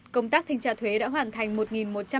công tác thanh tra thuế đã hoàn thành